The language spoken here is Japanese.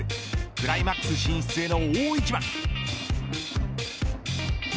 クライマックス進出への大一番。